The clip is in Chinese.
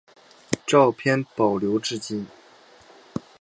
照片保存至今。